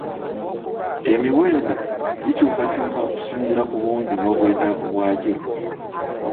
Emiwendo gikyukakyuka okusinziira ku bungi n'obwetaavu bwagyo.